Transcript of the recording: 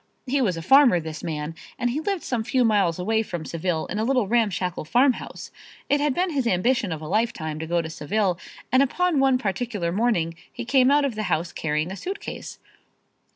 He was a farmer, this man, and he lived some few miles away from Seville in a little ramshackle farm house. It had been his ambition of a lifetime to go to Seville and upon one particular morning he came out of the house carrying a suitcase.